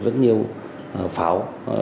rất nhiều pháo